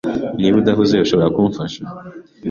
Niba udahuze, ushobora kumfasha?